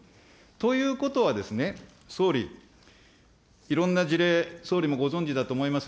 ということはですね、総理、いろんな事例、総理もご存じだと思います。